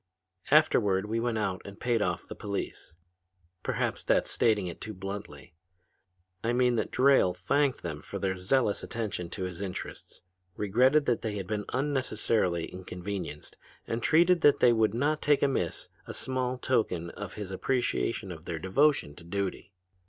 "Afterward, we went out and paid off the police. Perhaps that's stating it too bluntly. I mean that Drayle thanked them for their zealous attention to his interests, regretted that they had been unnecessarily inconvenienced and treated that they would not take amiss a small token of his appreciation of their devotion to duty.